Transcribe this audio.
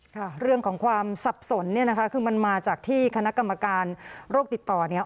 ค่ะเรื่องของความสับสนเนี่ยนะคะคือมันมาจากที่คณะกรรมการโรคติดต่อเนี่ย